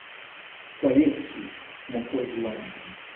Kwa Yesu, Mwokozi wangu.